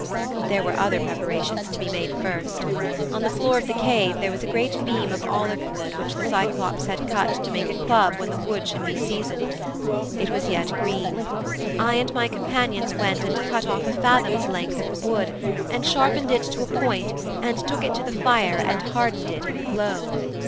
But there were other preparations to be made first. On the floor of the cave there was a great beam of olive wood which the Cyclops had cut to make a club when the wood should be seasoned. It was yet green. I and my companions went and cut off a fathom's length of the wood, and sharpened it to a point and took it to the fire and hardened it in the glow.